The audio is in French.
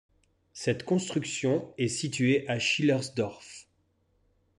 Cette construction est située à Schillersdorf.